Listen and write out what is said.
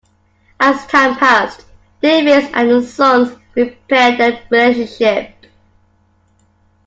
As time passed, Davis and the Suns repaired their relationship.